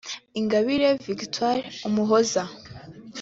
Ingabire Victoire Umuhoza